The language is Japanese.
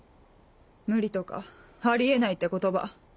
「無理」とか「あり得ない」って言葉。